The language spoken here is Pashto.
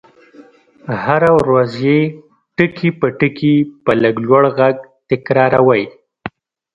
هره ورځ يې ټکي په ټکي په لږ لوړ غږ تکراروئ.